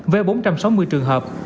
với bốn trăm sáu mươi trường hợp